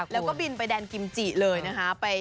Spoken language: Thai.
แล้วก็บินไปแดนกิมจิเลยนะคะ